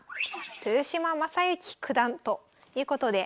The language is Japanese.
豊島将之九段ということで。